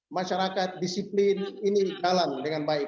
masyarakat disiplin ini jalan dengan baik